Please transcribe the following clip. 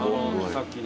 さっきの。